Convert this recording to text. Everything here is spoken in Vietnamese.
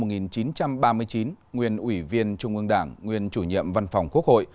nguyên ủy viên trung ương đảng nguyên chủ nhiệm văn phòng quốc hội